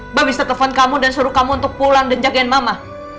mbak bisa telepon kamu dan suruh kamu untuk pulang dan jagain mama